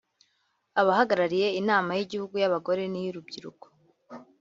abahagarariye Inama y’Igihugu y’Abagore n’iy’Urubyiruko